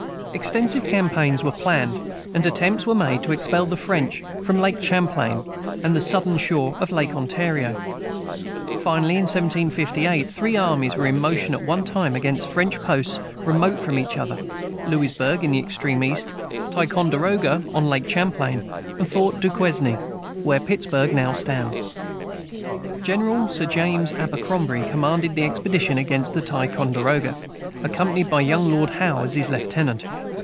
Extensive campaigns were planned, and attempts were made to expel the French from Lake Champlain and the southern shore of Lake Ontario. Finally, in 1758, three armies were in motion at one time against French posts remote from each other Louisburg, in the extreme east; Ticonderoga, on Lake Champlain; and Fort Du Quesne, where Pittsburg now stands. General Sir James Abercrombie commanded the expedition against Ticonderoga, accompanied by young Lord Howe as his lieutenant.